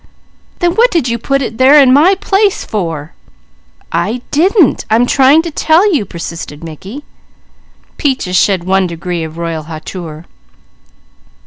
_" "Then what did you put it there in my place for?" "I didn't! I'm trying to tell you!" persisted Mickey. Peaches shed one degree of royal hauteur.